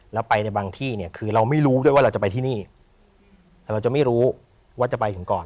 แล้วไปในบางที่เนี่ยคือเราไม่รู้ด้วยว่าเราจะไปที่นี่แต่เราจะไม่รู้ว่าจะไปถึงก่อน